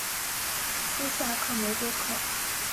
西萨克梅多克。